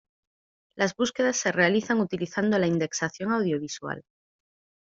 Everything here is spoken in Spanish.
Las búsquedas se realizan utilizando la indexación audiovisual.